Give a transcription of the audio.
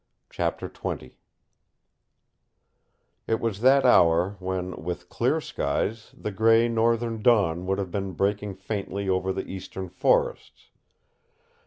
CHAPTER XX It was that hour when, with clear skies, the gray northern dawn would have been breaking faintly over the eastern forests.